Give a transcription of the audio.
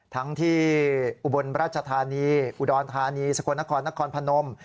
ทั้งที่อุบลราชธานีอุดรธานีสกลนครนครพนม